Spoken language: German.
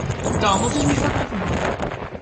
Da muss ich mich vergriffen haben.